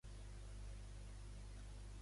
I fa un any quant va baixar?